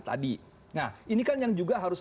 tadi nah ini kan yang juga harus